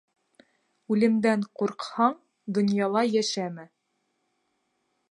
Үлемдән ҡурҡһаң, донъяла йәшәмә.